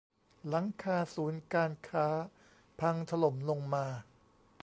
หลังคาศูนย์การค้า พังถล่มลงมา